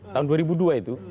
tahun dua ribu dua itu